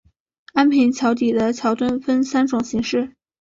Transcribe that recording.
安平桥底的桥墩分三种形式。